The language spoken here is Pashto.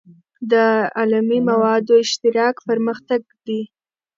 د علمي موادو اشتراک پرمختګ دی.